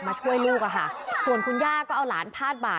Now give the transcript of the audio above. ช่วยลูกอะค่ะส่วนคุณย่าก็เอาหลานพาดบ่า